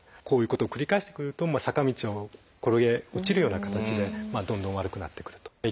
こういうことを繰り返してくると坂道を転げ落ちるような形でどんどん悪くなってくると。